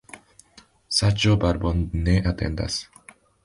Saĝo barbon ne atendas.